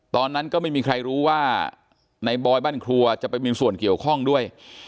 ตอนนั้นก็ไม่มีใครรู้ว่าในบอยบ้านครัวจะไปมีส่วนเกี่ยวข้องด้วย